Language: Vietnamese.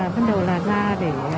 bắt đầu là ra để